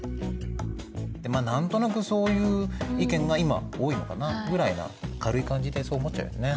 まあ何となくそういう意見が今多いのかなぐらいな軽い感じでそう思っちゃうよね。